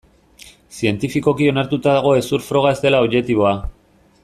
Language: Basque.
Zientifikoki onartuta dago hezur froga ez dela objektiboa.